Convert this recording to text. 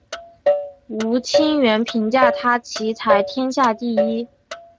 吴清源评价他棋才天下第一。